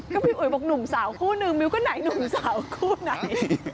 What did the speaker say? ก็พี่อุ๋ยบอกหนุ่มสาวคู่นึงมิ้วก็ไหนหนุ่มสาวคู่ไหน